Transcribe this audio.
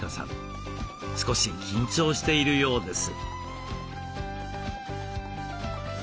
少し緊張しているようです。